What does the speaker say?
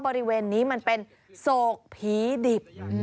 บริเวณนี้มันเป็นโศกผีดิบ